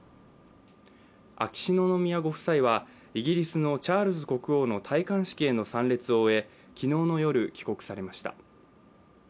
秋篠宮ご夫妻はイギリスのチャールズ国王の戴冠式への参列を終え昨日の夜、帰国されました。